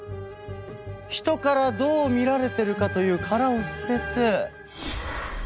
人からどう見られてるかという殻を捨てて。